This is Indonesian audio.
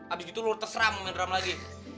abis itu lo terseram main drum lagi